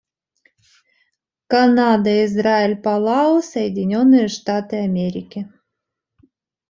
Канада, Израиль, Палау, Соединенные Штаты Америки.